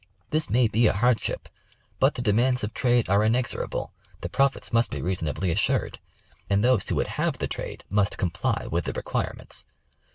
This may be a hardship ; but the demands of trade are inexorable, the profits must be reasonably assured, and those who would have the trade must comply with the requirements.